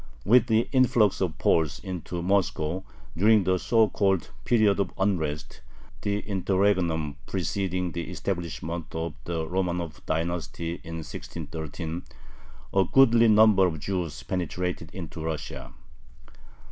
With the influx of Poles into Moscow during the so called "period of unrest," the interregnum preceding the establishment of the Romanov dynasty in 1613, a goodly number of Jews penetrated into Russia.